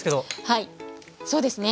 はいそうですね。